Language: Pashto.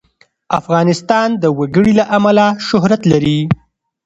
افغانستان د وګړي له امله شهرت لري.